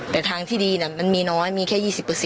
แต่ทางที่ดีมันมีน้อยมีแค่๒๐